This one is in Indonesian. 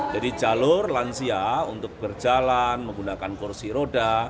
jadi jalur lansia untuk berjalan menggunakan kursi roda